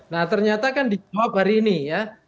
nah ternyata kan dijawab hari ini ya